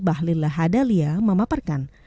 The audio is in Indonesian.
bahlila hadalia memaparkan